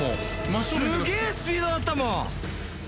すげえスピードだったもん。